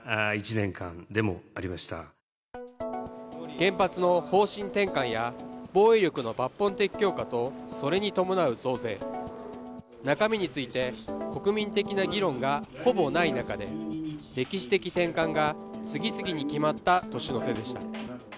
原発の方針転換や防衛力の抜本的強化とそれに伴う増税、中身について国民的な議論がほぼない中で歴史的転換が次々に決まった年の瀬でした。